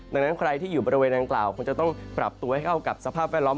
ดังนั้นใครที่อยู่บริเวณดังกล่าวคงจะต้องปรับตัวให้เข้ากับสภาพแวดล้อม